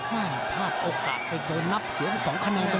ไม่พราบโอกาสไปโดนนับเสีย๒เป็นประโยชน์